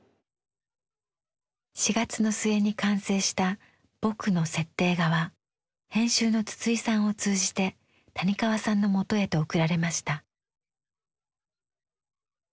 ４月の末に完成した「ぼく」の設定画は編集の筒井さんを通じて谷川さんのもとへと送られました。